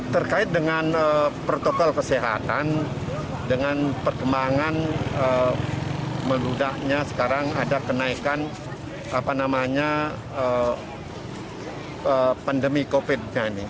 terkait dengan protokol kesehatan dengan perkembangan meludaknya sekarang ada kenaikan pandemi covid nya ini